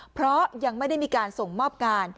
เพราะยังไม่ได้มีการส่งมอบงาน